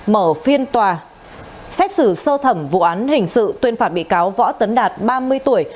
mở phiên tòa xét xử sơ thẩm vụ án hình sự tuyên phạt bị cáo võ tấn đạt ba mươi tuổi